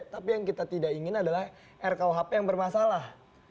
tapi yang kita tidak ingin adalah rkuhp yang bermasalah